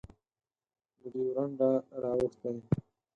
له ډیورنډه رااوښتی